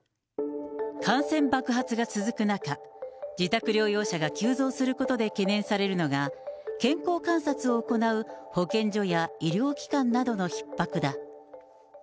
感染爆発が続く中、自宅療養者が急増することで懸念されるのが、健康観察を行う保健所や医療機関などのひっ迫だ。